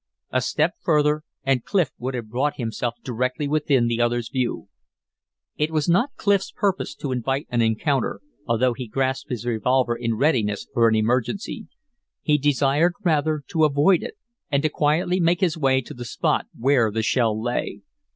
A step further and Clif would have brought himself directly within the other's view. It was not Clif's purpose to invite an encounter, although he grasped his revolver in readiness for an emergency. He desired, rather, to avoid it, and to quietly make his way to the spot where the shell lay.